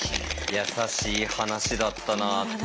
優しい話だったなって。